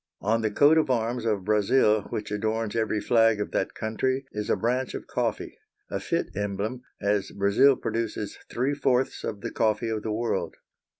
On the coat of arms of Brazil which adorns every flag of that country is a branch of coffee, a fit emblem, as Brazil produces three fourths of the coffee of the world.